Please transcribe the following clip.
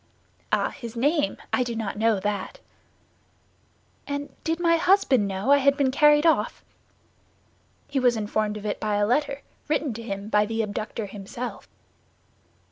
"Ah, his name? I do not know that." "And did my husband know I had been carried off?" "He was informed of it by a letter, written to him by the abductor himself."